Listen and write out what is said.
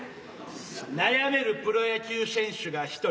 悩めるプロ野球選手が一人。